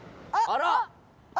「あら！」